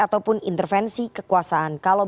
ataupun intervensi kekuasaan kalau